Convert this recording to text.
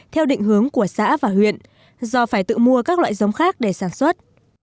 theo định hướng của xã và huyện do phải tự mua các loại giống khác để sản xuất